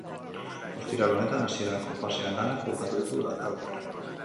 Ostiral honetan hasierako fasearen lanak bukatu ditu lantaldeak.